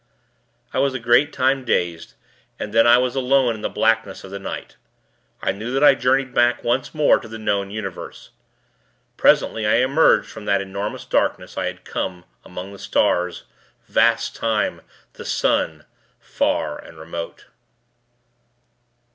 I was a great time dazed, and then I was alone in the blackness of the night. I knew that I journeyed back, once more, to the known universe. Presently, I emerged from that enormous darkness. I had come among the stars ... vast time ... the sun, far and remote.